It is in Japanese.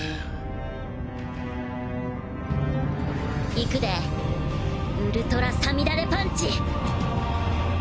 いくでウルトラさみだれパンチ。